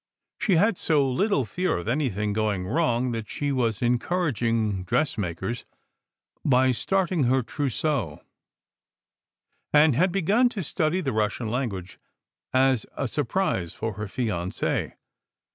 She had so little fear of anything going wrong that she was "encouraging dress makers" by starting her trousseau, and had begun to study the Russian language as a surprise for her fiance.